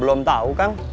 belum tau kang